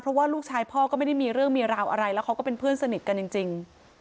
เพราะว่าลูกชายพ่อก็ไม่ได้มีเรื่องมีราวอะไรแล้วเขาก็เป็นเพื่อนสนิทกันจริง